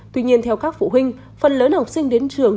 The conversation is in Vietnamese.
tuy nhiên theo các phụ huynh phần lớn học sinh đến trường